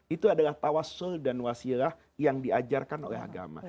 itu adalah tawasul dan wasilah yang diajarkan oleh agama